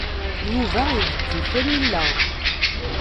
Yuba ibeddel tanila.